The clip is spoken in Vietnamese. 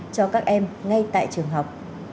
cho các em ngay tại trường học